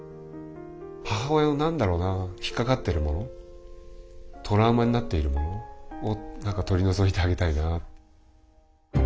母親の何だろうな引っ掛かってるものトラウマになっているものを何か取り除いてあげたいな。